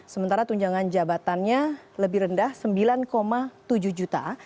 sementara tunjangan jabatannya lebih rendah sembilan tujuh juta